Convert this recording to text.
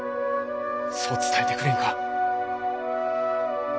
そう伝えてくれんか？